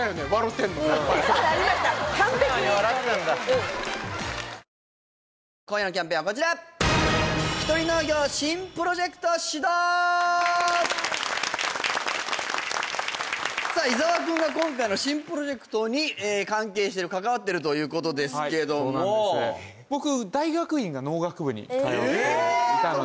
完璧に今夜のキャンペーンはこちらさあ伊沢君が今回の新プロジェクトに関係してる関わってるということですけどもはいそうなんですえっそうなの？